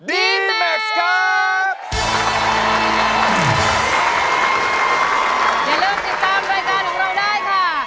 อย่าลืมติดตามรายการของเราได้ค่ะ